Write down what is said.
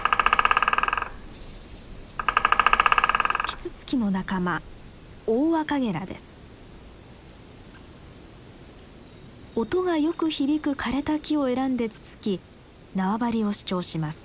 キツツキの仲間音がよく響く枯れた木を選んでつつき縄張りを主張します。